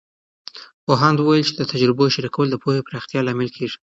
پوهاند وویل چې د تجربو شریکول د پوهې پراختیا لامل کیږي.